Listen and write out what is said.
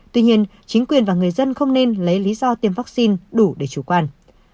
tuy nhiên chính quyền và người dân không nên lấy lý do tiêm vaccine đủ để chủ quan